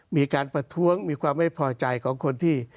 มีการประท้วงมีความไม่พอใจของคนที่